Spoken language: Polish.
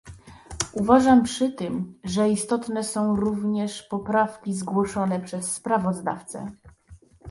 Uważam przy tym, że istotne są również poprawki zgłoszone przez sprawozdawcę